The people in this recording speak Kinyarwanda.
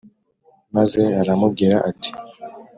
Maze aramubwira ati